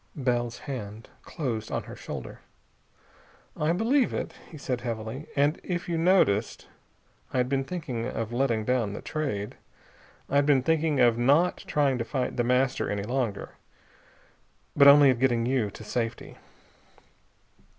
Bell's hand closed on her shoulder. "I believe it," he said heavily. "And if you noticed I had been thinking of letting down the Trade. I'd been thinking of not trying to fight The Master any longer, but only of getting you to safety.